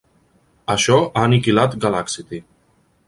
Això ha aniquilat Galaxity.